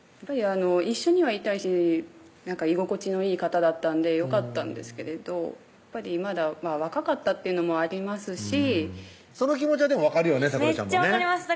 一緒にはいたいし居心地のいい方だったんでよかったんですけれどやっぱりまだ若かったっていうのもありますしその気持ちはでも分かるよねめっちゃ分かります